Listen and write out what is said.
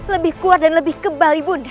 lebih kuat dan lebih kebal ibu undang